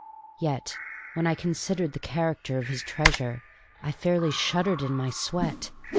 Yet, when I considered the character of his treasure, I fairly shuddered in my sweat.